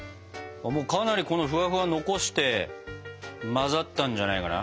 かなりこのフワフワ残して混ざったんじゃないかな？